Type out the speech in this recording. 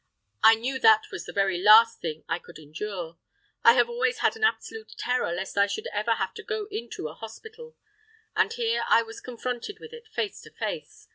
I knew that was the very last thing I could endure. I have always had an absolute terror lest I should ever have to go into a hospital; and here I was confronted with it face to face.